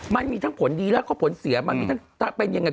มันมีทั้งผลดีแล้วก็ผลเสียมันมีทั้งเป็นยังไง